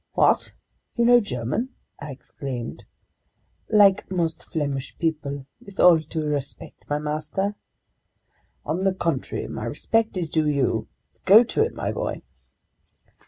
"What! You know German?" I exclaimed. "Like most Flemish people, with all due respect to master." "On the contrary, my respect is due you. Go to it, my boy."